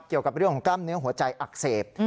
เกี่ยวกับเรื่องของกล้ามเนื้อหัวใจอักเสบ